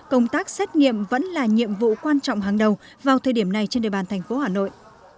công tác xét nghiệm vẫn là nhiệm vụ quan trọng hàng đầu vào thời điểm này trên địa bàn thành phố hà nội